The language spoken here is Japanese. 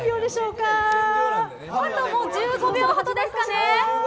あと１５秒ほどですかね。